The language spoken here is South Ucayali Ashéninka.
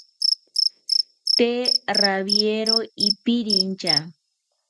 Tee rawiero ipirintha